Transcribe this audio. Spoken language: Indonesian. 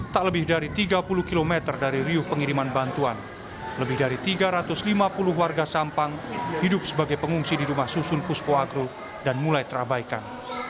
tak lebih dari tiga puluh km dari riuh pengiriman bantuan lebih dari tiga ratus lima puluh warga sampang hidup sebagai pengungsi di rumah susun pusko agro dan mulai terabaikan